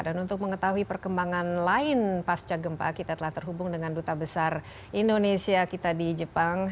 dan untuk mengetahui perkembangan lain pasca gempa kita telah terhubung dengan duta besar indonesia kita di jepang